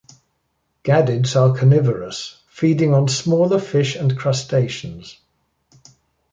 Gadids are carnivorous, feeding on smaller fish and crustaceans.